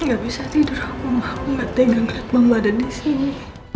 gak bisa tidur aku gak tegang tengang mau ada di sini